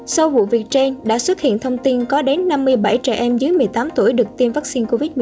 sau vụ việc trên đã xuất hiện thông tin có đến năm mươi bảy trẻ em dưới một mươi tám tuổi được tiêm vaccine covid một mươi chín